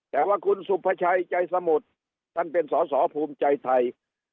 แต่ว่าคุณสุภาชัยใจสมุทรท่านเป็นสอสอภูมิใจไทย